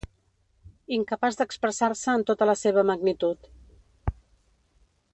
Incapaç d’expressar-se en tota la seva magnitud.